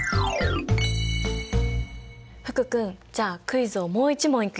福君じゃあクイズをもう一問いくよ。